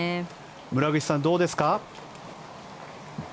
村口さん、どうですか？